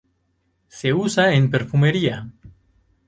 Se usa en perfumería.